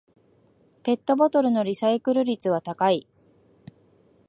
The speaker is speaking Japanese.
ペットボトルのリサイクル率は高い